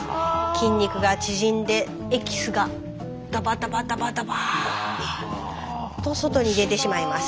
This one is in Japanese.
筋肉が縮んでエキスがダバダバダバダバと外に出てしまいます。